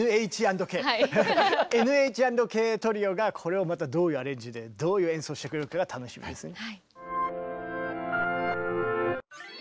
「ＮＨ＆ＫＴＲＩＯ」がこれをまたどういうアレンジでどういう演奏をしてくれるかが楽しみですね。